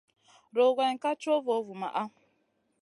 Rugayn ká co vo vumaʼa.